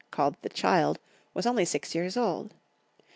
called the Child, was only six years old.